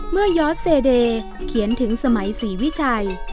เมื่อยศเดเขียนถึงสมัยศรีวิชัย